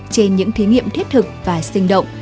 trên những thí nghiệm thiết thực và sinh động